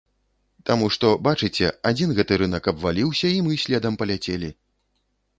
Таму што, бачыце, адзін гэты рынак абваліўся і мы следам паляцелі.